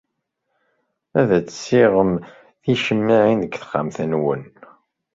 Ad tessiɣem ticemmaɛin deg texxamt-nwen.